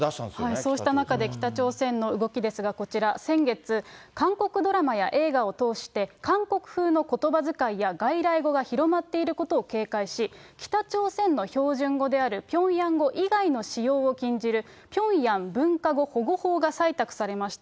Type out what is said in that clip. そうした中で、北朝鮮の動きですが、こちら、先月、韓国ドラマや映画を通して韓国風のことばづかいや外来語が広まっていることを警戒し、北朝鮮の標準語であるピョンヤン語以外の使用を禁じる、ピョンヤン文化語保護法が採択されました。